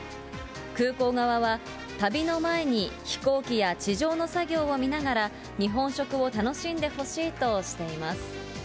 空港側は、旅の前に飛行機や地上の作業を見ながら、日本食を楽しんでほしいとしています。